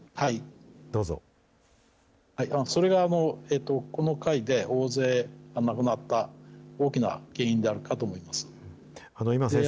それがこの階で大勢亡くなった大きな原因であるかと思います。